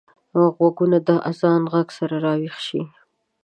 غوږونه د اذان غږ سره راويښ شي